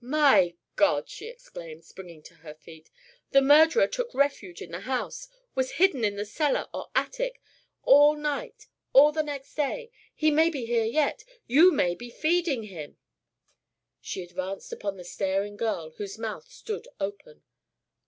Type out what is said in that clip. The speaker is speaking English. "My God!" she exclaimed, springing to her feet, "the murderer took refuge in the house, was hidden in the cellar or attic all night, all the next day! He may be here yet! You may be feeding him!" She advanced upon the staring girl whose mouth stood open.